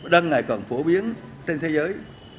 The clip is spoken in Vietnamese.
đăng ngày còn phổ biến trên thế giới